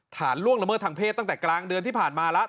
ล่วงละเมิดทางเพศตั้งแต่กลางเดือนที่ผ่านมาแล้ว